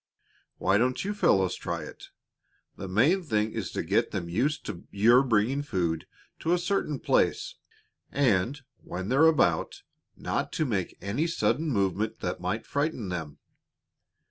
Why don't you fellows try it? The main thing is to get them used to your bringing food to a certain place, and, when they're about, not to make any sudden movement that might frighten them.